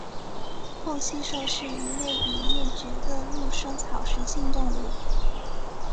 厚膝兽是一类已灭绝的陆生草食性动物。